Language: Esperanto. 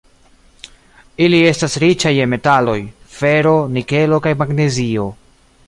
Ili estas riĉaj je metaloj: fero, nikelo kaj magnezio.